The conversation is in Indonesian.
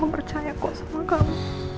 aku percaya kok sama kamu